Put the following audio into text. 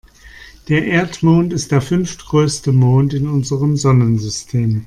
Der Erdmond ist der fünftgrößte Mond in unserem Sonnensystem.